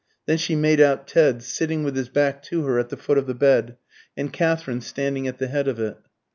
Then she made out Ted, sitting with his back to her at the foot of the bed, and Katherine standing at the head of it.